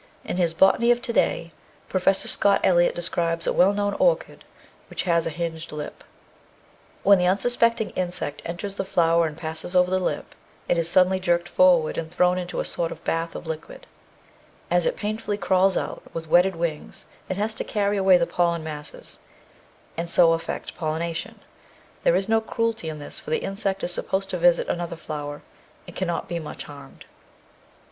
In his Botany of To day, Pro fessor Scott Elliott describes a well known orchid which has a hinged lip: When the unsuspecting insect enters the flower and passes over the lip, it is suddenly jerked forward and thrown into a sort of bath of liquid; as it painfully crawls out, with wetted wings, it has to carry away the pollen masses, and so effect pollination. There is no cruelty in this, for the insect is supposed to visit another flower and cannot be much harmed.